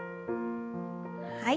はい。